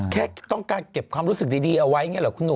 แค่ต้องการเก็บความรู้สึกดีเอาไว้อย่างนี้หรอคุณหนุ่ม